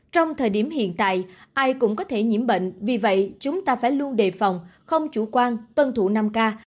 trong thời điểm hiện tại ai cũng có thể nhiễm bệnh vì vậy chúng ta phải luôn đề phòng không chủ quan tuân thủ năm k